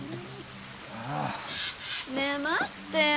ねぇ待ってよ。